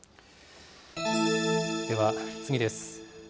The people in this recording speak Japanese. では次です。